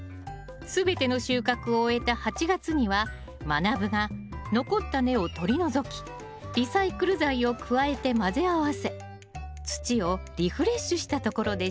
全ての収穫を終えた８月にはまなぶが残った根を取り除きリサイクル材を加えて混ぜ合わせ土をリフレッシュしたところでしたね